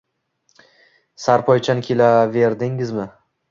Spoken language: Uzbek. Sarpoychan kelaverdingizmi?!